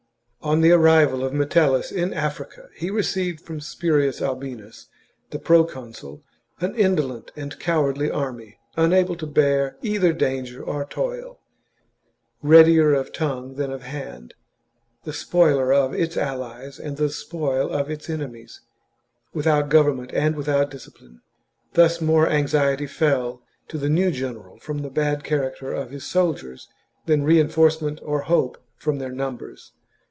CHAP. On the arrival of Metellus in Africa, he received from Spurius Albinus, the proconsul, an indolent and cowardly army, unable to bear either danger or toil, readier of tongue than of hand, the spoiler of its allies and the spoil of its enemies, without government and without discipline. Thus more anxiety fell to the new general from the bad character of his soldiers than reinforcement or hope from their numbers.